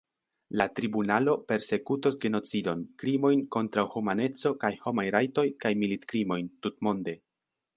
La tribunalo persekutos genocidon, krimojn kontraŭ humaneco kaj homaj rajtoj kaj militkrimojn, tutmonde.